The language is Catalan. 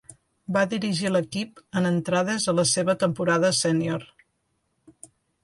Va dirigir l'equip en entrades a la seva temporada sénior.